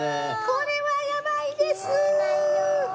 これはやばいです！